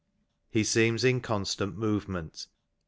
He seems in constant movement.